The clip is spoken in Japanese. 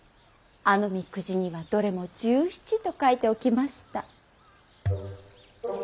あの御籤にはどれも拾七と書いておきました。